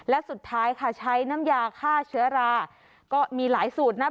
และสุดท้ายค่ะใช้น้ำยาฆ่าเชื้อราก็มีหลายสูตรนะ